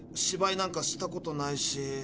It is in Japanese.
芝居なんかしたことないし。